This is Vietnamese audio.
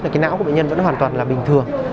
cái não của bệnh nhân vẫn hoàn toàn là bình thường